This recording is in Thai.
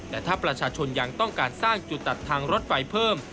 แต่ถ้าประชาชนยังต้องการสร้างจุดตัดทางรถไฟเพิ่ม